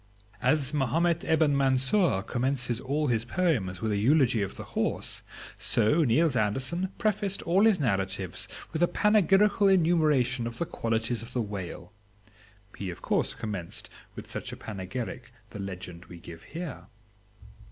As Mahomet Ebn Mansour commences all his poems with a eulogy of the horse, so Niels Andersen prefaced all his narratives with a panegyrical enumeration of the qualities of the whale. He of course commenced with such a panegyric the legend we give here.